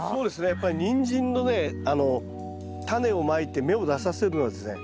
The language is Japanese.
やっぱりニンジンのねタネをまいて芽を出させるのはですね